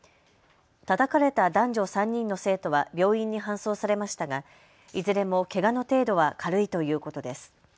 たたかれた男女３人の生徒は病院に搬送されましたがいずれもけがの程度は軽いということです。